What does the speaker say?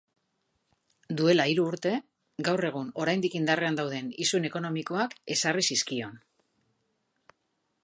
Duela hiru urte, gaur egun oraindik indarrean dauden isun ekonomikoak ezarri zizkion.